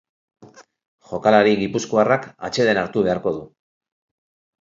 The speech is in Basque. Jokalari gipuzkoarrak atseden hartu beharko du.